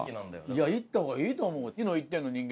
いや行った方がいいと思う。